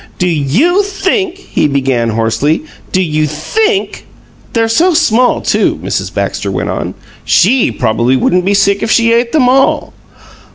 "Do YOU think," he began, hoarsely, "do you THINK " "They're so small, too," Mrs. Baxter went on. "SHE probably wouldn't be sick if she ate them all."